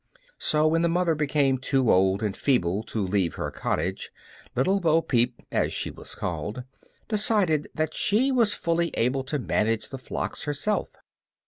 So when the mother became too old and feeble to leave her cottage, Little Bo Peep (as she was called) decided that she was fully able to manage the flocks herself.